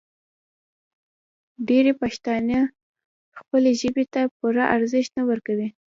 ډېری پښتانه خپلې ژبې ته پوره ارزښت نه ورکوي.